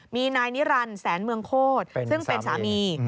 มีนายนิรันดิ์แสนเมืองโคตรซึ่งเป็นสามี